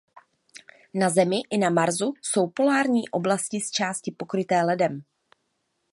Na Zemi i na Marsu jsou polární oblasti zčásti pokryté ledem.